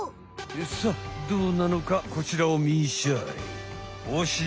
さあどうなのかこちらをみんしゃい。